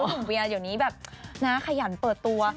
อ๋อก็คุณเวียร์เดี๋ยวนี้แบบน่าขยันเปิดตัว